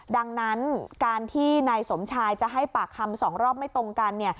ดังนั้นการที่นายสมชายจะให้ปากคำ๒รอบไม่ตรงกัน